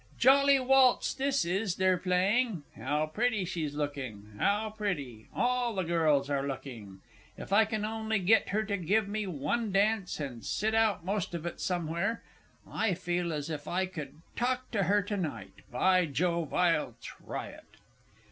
Jolly waltz this is they're playing! How pretty she's looking how pretty all the girls are looking! If I can only get her to give me one dance, and sit out most of it somewhere! I feel as if I could talk to her to night. By Jove, I'll try it!